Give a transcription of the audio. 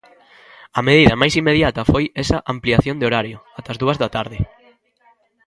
A medida máis inmediata foi esa ampliación de horario ata as dúas da tarde.